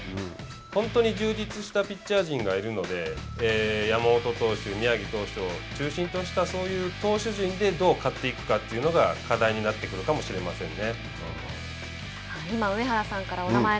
本当に充実したピッチャー陣があるので山本投手宮城投手を中心としたそういう投手陣でどう勝っていくかというのが課題になってくるかもしれませんね。